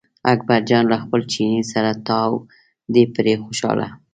اکبر جان له خپل چیني سره تاو دی پرې خوشاله.